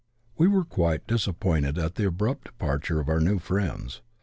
We were fpiit(; disappointed at theabrupt departure of our new friiMids.